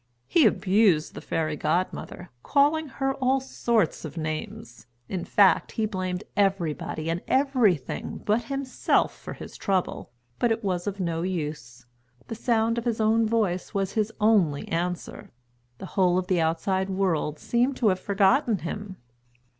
He abused the fairy godmother, calling her all sorts of names. In fact, he blamed everybody and everything but himself for his trouble, but it was of no use. The sound of his own voice was his only answer. The whole of the outside world seemed to have forgotten him.